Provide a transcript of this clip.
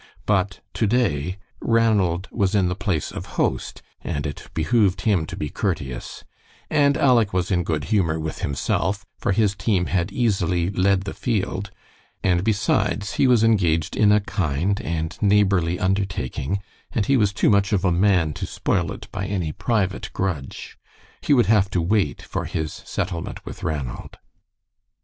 But to day, Ranald was in the place of host, and it behooved him to be courteous, and Aleck was in good humor with himself, for his team had easily led the field; and besides, he was engaged in a kind and neighborly undertaking, and he was too much of a man to spoil it by any private grudge. He would have to wait for his settlement with Ranald.